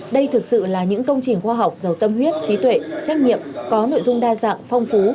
đây thực sự là những công trình khoa học giàu tâm huyết trí tuệ trách nhiệm có nội dung đa dạng phong phú